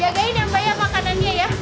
jagain yang banyak makanannya ya